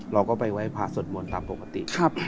เราก็ไปไหว้พระสวดมนต์ตามปกติ